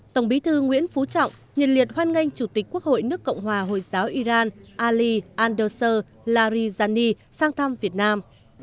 tổng bí thư nguyễn phú trọng nhiệt liệt hoan nghênh chủ tịch quốc hội nước cộng hòa hồi giáo iran ali andersur larijani sang thăm việt nam